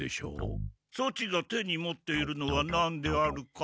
そちが手に持っているのはなんであるか？